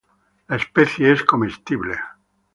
La especie es comestible.